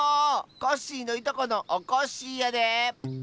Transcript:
コッシーのいとこのおこっしぃやで。